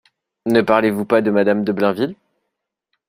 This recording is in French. Ne parlez-vous pas de madame de Blainville ?